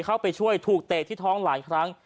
เข้าไปช่วยถูกเตะที่ท้องหลายครั้ง